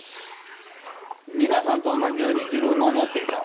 みなさんと同じように自分も思っていた。